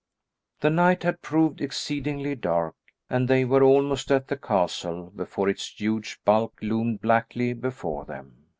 The night had proved exceedingly dark, and they were almost at the castle before its huge bulk loomed blackly before them.